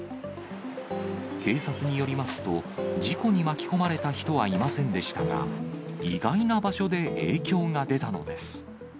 警察によりますと、事故に巻き込まれた人はいませんでしたが、意外な場所で影響が出たのです。